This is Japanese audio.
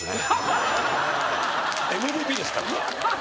ＭＶＰですから。